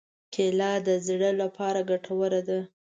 کېله د زړه لپاره ګټوره ده.